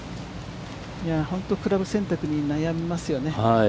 本当に、クラブ選択に悩みますよね。